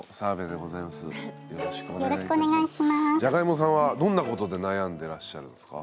じゃがいもさんはどんなことで悩んでらっしゃるんですか？